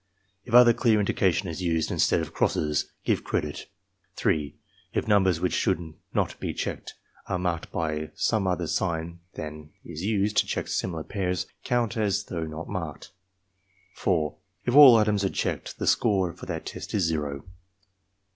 If other clear indication is used instead of crosses, give credit. 3. If numbers which should not be checked are marked by some other sign than is used to check similar pairs, count as though not marked. 4. If all items are checked, the score for the test is zero.